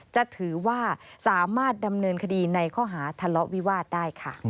จะถือว่าสามารถดำเนินคดีในข้อหาทะเลาะวิวาสได้ค่ะ